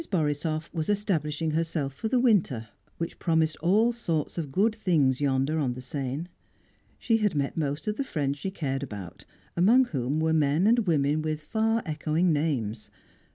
Borisoff was establishing herself for the winter, which promised all sorts of good things yonder on the Seine. She had met most of the friends she cared about, among whom were men and women with far echoing names.